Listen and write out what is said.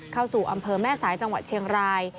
เข้าสู่อำเภอแม่สายจังหวัดเชียงราย